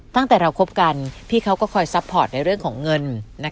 ตั้งแต่เราคบกันพี่เขาก็คอยซัพพอร์ตในเรื่องของเงิน